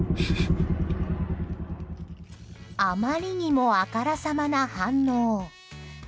あまりにもあからさまな反応。